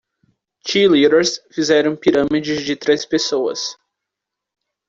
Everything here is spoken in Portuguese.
Cheerleaders fizeram pirâmides de três pessoas.